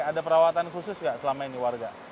ada perawatan khusus nggak selama ini warga